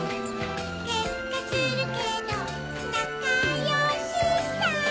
けんかするけどなかよしさ